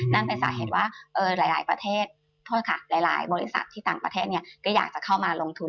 นั่นเป็นสาเหตุว่ารายบริษัทที่ต่างประเทศอยากจะเข้ามาลงทุน